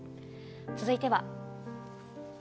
続いては。